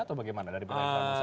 atau bagaimana dari perhatian anda